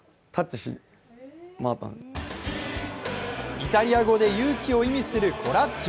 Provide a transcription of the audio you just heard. イタリア語で勇気を意味するコラッジョ。